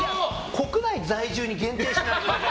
国内在住に限定しないと。